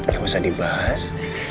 gak usah dibahas